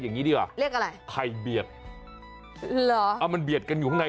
เห็นพร้อมกันมั้ย